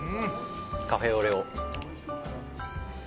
カフェオレを。